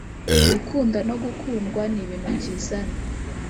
Gukunda no gukundwa ni ibintu byizana